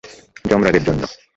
যমরাজ এর জন্য।